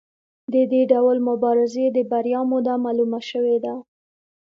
د دې ډول مبارزې د بریا موده معلومه شوې ده.